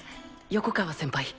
横川先輩。